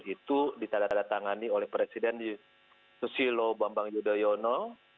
itu ditandatangani oleh presiden susilo bambang yudhoyono